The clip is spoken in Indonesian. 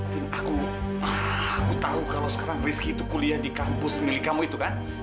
dan aku tahu kalau sekarang rizky itu kuliah di kampus milik kamu itu kan